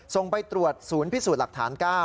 ส่งไปตรวจศูนย์พิสูจน์หลักฐาน๙